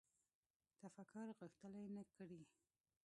تفکر غښتلی نه کړي